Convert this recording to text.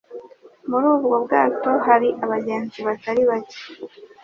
Muri ubwo bwato hari abagenzi batari bake.